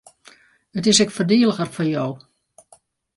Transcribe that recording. It is ek foardeliger foar jo.